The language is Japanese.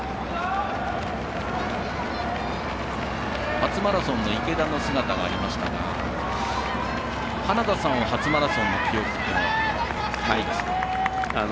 初マラソンの池田の姿がありましたが花田さんは初マラソンの記憶はないですか？